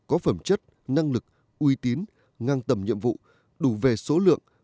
có phẩm chất năng lực uy tín ngang tầm nhiệm vụ đủ về số lượng